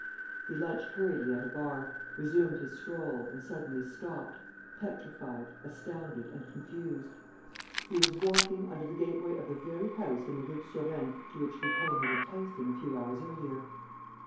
He lunched hurriedly at a bar, resumed his stroll and suddenly stopped, petrified, astounded and confused. He was walking under the gateway of the very house in the Rue de Surène to which Lupin had enticed him a few hours earlier!